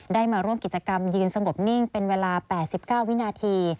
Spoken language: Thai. ได้มาร่วมกิจกรรมยืนสงบนิ่งเป็นเวลา๘๙วินาที